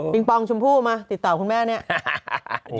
ปองชมพู่มาติดต่อคุณแม่เนี่ย